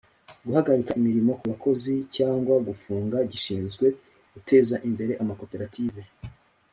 Guhagarika imirimo ku bakozi cyangwa gufunga gishinzwe Guteza Imbere Amakoperative